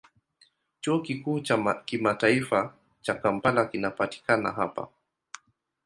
Chuo Kikuu cha Kimataifa cha Kampala kinapatikana hapa.